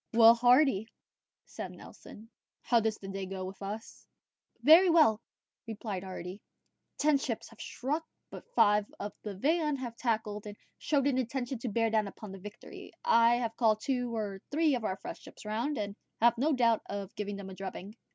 "Well, Hardy," said Nelson, "how goes the day with us?" "Very well," replied Hardy: "ten ships have struck, but five of the van have tacked and show an intention to bear down upon the Victory. I have called two or three of our fresh ships round, and have no doubt of giving them a drubbing."